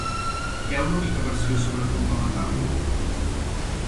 Hi ha una única versió sobre com va matar-lo?